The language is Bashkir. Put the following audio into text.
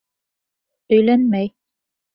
Өйләнмәй!